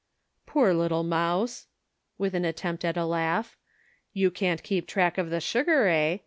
" Poor little mouse !" with an attempt at a laugh. "So you can't keep track of the sugar, eh